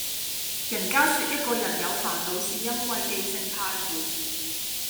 人家說一個人有煩惱是因為記性太好